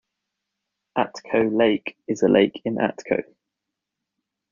Atco Lake is a lake in Atco.